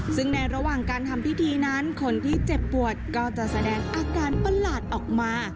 ซึ่งในระหว่างการทำพิธีนั้นคนที่เจ็บปวดก็จะแสดงอาการประหลาดออกมา